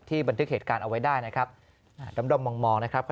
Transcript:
บันทึกเหตุการณ์เอาไว้ได้นะครับอ่าด้อมมองนะครับ